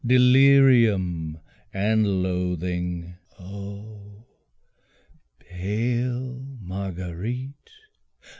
Delirium and loathing O pale Marguerite!